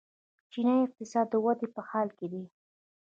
چینايي اقتصاد د ودې په حال کې دی.